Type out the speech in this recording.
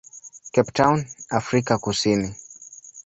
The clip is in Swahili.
Cape Town, Afrika Kusini.